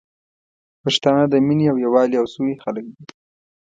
پښتانه د مينې او یوالي او سولي خلګ دي